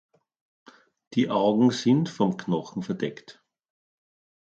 Die Augen sind von Knochen verdeckt.